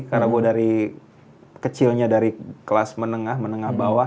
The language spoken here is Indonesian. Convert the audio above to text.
karena gue dari kecilnya dari kelas menengah menengah bawah